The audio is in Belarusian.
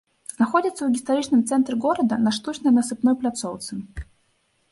Знаходзіцца ў гістарычным цэнтры горада, на штучнай насыпной пляцоўцы.